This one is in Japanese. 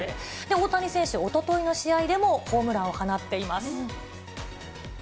大谷選手、おとといの試合でも、ホームランを放っています。